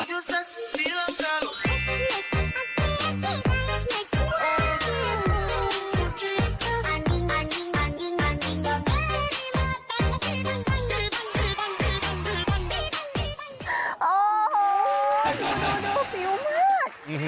โอ้โหดูฟิวมาก